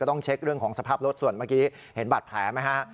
ต้องเช็คเรื่องของสภาพรถส่วนเมื่อกี้เห็นบาดแผลไหมฮะ